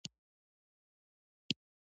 جنګ د هېوادونو تر منځ بې ثباتۍ رامنځته کوي.